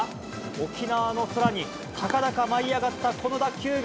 沖縄の空に高々舞い上がったこの打球が、